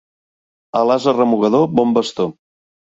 A l'ase remugador, bon bastó.